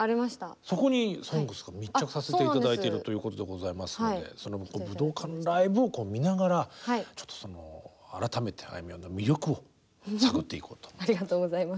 そこに「ＳＯＮＧＳ」が密着させて頂いてるということでございますのでその武道館ライブを見ながらちょっとその改めてあいみょんの魅力を探っていこうと思います。